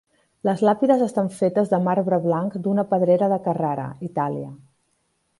Les làpides estan fetes de marbre blanc d'una pedrera de Carrara, Itàlia.